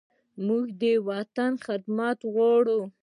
موږ د وطن خدمت غواړو.